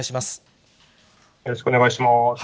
よろしくお願いします。